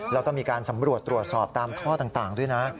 แล้วก็มีการสำรวจตรวจสอบตามท่อต่างด้วยนะ